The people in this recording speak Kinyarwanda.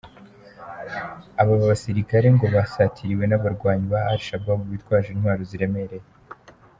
Aba abasirikare ngo basatiriwe n’abarwanyi ba Al Shabaab bitwaje intwaro ziremereye.